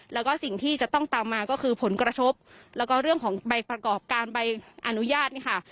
แล้วก็สิ่งที่จะต้องตามมาก็คือผลกระทบแล้วก็เรื่องของใบประกอบการใบอนุญาตเนี่ยค่ะ